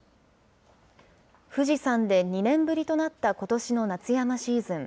富士山で２年ぶりとなったことしの夏山シーズン。